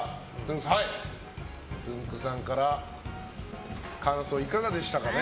つんく♂さん、感想はいかがでしたかね。